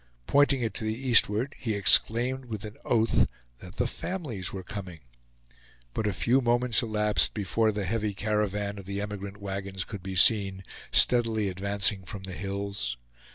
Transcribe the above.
Pointing it to the eastward, he exclaimed, with an oath, that the families were coming. But a few moments elapsed before the heavy caravan of the emigrant wagons could be seen, steadily advancing from the hills.